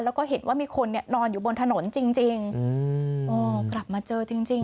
แล้วก็เห็นว่ามีคนนี้นอนอยู่บนถนนจริงอืมอ้อกลับมาเจอจริง